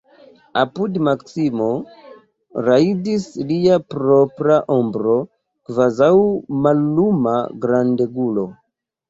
Apud Maksimo rajdis lia propra ombro, kvazaŭ malluma grandegulo.